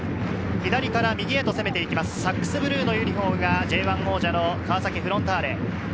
左から右へと攻めていきます、サックスブルーのユニホームがＪ１王者の川崎フロンターレ。